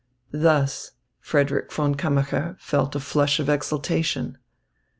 Thus, Frederick von Kammacher felt a flush of exaltation.